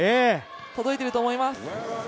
届いてると思います。